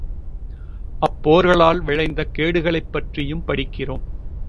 அப் போர்களால் விளைந்த கேடுகளைப் பற்றியும் படிக்கிறோம்.